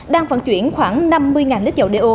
đang vận chuyển khoảng năm mươi lít dầu đeo